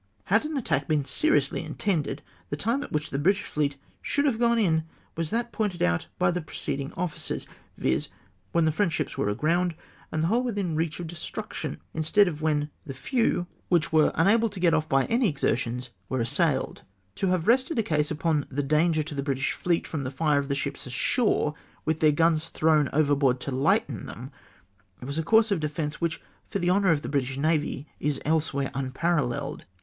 Had an at tack been seriously intended, the time at which the British fleet should have gone in was that pointed out by the preceding officers, viz. when the French ships were aground, and the whole within reach of destruc tion ; instead of when the few, which were unable to 414 SIR HARRY NEALE S EVIDENCE get off by any exertions, were assailed. To have rested a case upon the danger to the British fleet from the fire of the ships a.shore, with their guns thrown overboard to lighten tliem, was a coiu^se of defence which, for the honour of the British navy, is elsewhere unparalleled.